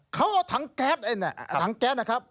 เขาเอาถังแก๊สถังแก๊สนะครับ